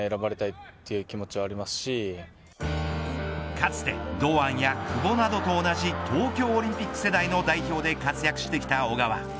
かつて、堂安や久保などと同じ東京オリンピック世代の代表で活躍してきた小川。